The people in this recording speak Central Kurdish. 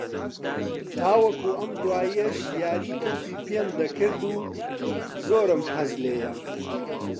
تاوەکو ئەم دواییەش یاری تۆپی پێم دەکرد و زۆرم حەز لێییە